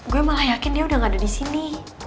gue malah yakin dia udah gak ada di sini